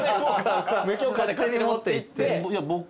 無許可で勝手に持っていって。